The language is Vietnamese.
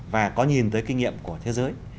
và có nhìn tới kinh nghiệm của thế giới